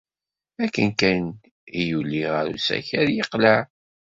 Akken kan ay yuli ɣer usakal, yeqleɛ.